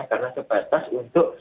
karena sebatas untuk